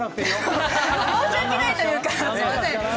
申し訳ないというか。